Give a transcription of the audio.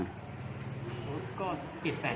รถก็๗๘คัน